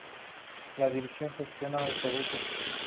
La división gestiona autobuses.